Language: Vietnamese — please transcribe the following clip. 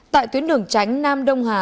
tại tuyến đường tránh nam đông hà